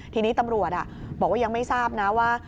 ทีนี้ตำรวจบอกว่ายังไม่ทราบนะว่า